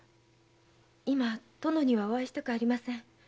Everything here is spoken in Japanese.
今殿にはお会いしたくありません。